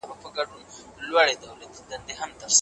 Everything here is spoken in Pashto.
ولي ځوانان په کندهار کي صنعت خوښوي؟